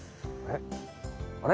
あれ？